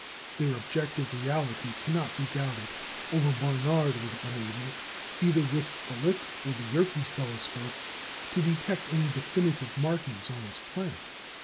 Their objective reality cannot be doubted, although Barnard was unable, either with the Lick or the Yerkes telescope, to detect any definite markings on this planet.